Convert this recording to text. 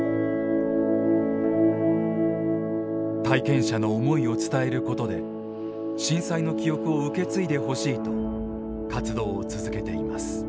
体験者の思いを伝えることで震災の記憶を受け継いでほしいと活動を続けています。